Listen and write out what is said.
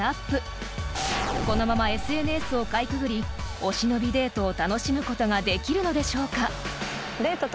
［このままＳＮＳをかいくぐりお忍びデートを楽しむことができるのでしょうか］